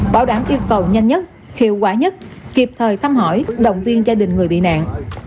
bảo đảm yêu cầu nhanh nhất hiệu quả nhất kịp thời thăm hỏi động viên gia đình người bị nạn